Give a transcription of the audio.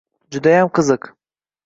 Judayam qiziq.